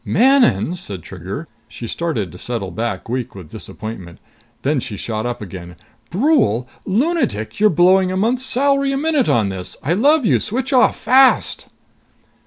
"Manon!" said Trigger. She started to settle back, weak with disappointment. Then she shot up again. "Brule! Lunatic! You're blowing a month's salary a minute on this! I love you! Switch off, fast!"